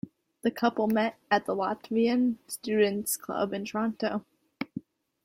The couple met at the Latvian Students Club in Toronto.